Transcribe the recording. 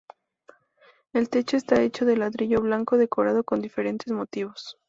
El techo está hecho de ladrillo blanco decorado con diferentes motivos.